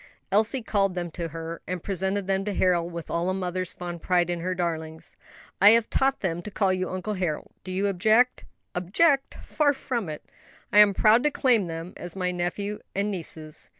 Elsie called them to her, and presented them to Harold with all a mother's fond pride in her darlings. "I have taught them to call you Uncle Harold. Do you object?" "Object? far from it; I am proud to claim them as my nephew and nieces."